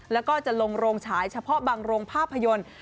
แล้วก็จะลงโรงฉายเฉพาะบางโรงภาพยนตร์